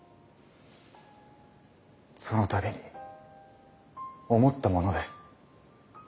そのたびに思ったものです。